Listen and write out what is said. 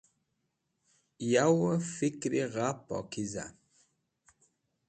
Yawẽ fikri gha pokiza.